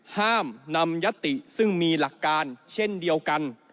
ห้ามนำยติซึ่งมีหลักการเช่นเดียวกัน